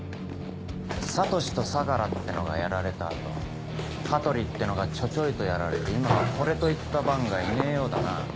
智司と相良ってのがやられた後香取ってのがちょちょいとやられて今はこれといった番がいねえようだな。